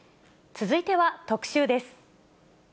続いては特集です。